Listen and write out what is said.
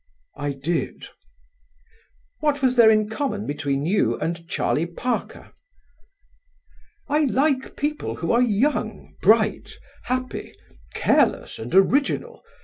"I did." "What was there in common between you and Charlie Parker?" "I like people who are young, bright, happy, careless and original.